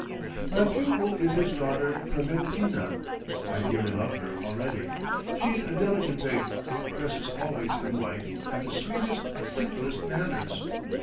"My pupil is his daughter Clementina. I dearly love her already. She's a delicate thing—dresses always in white; and the sweetest, simplest manners!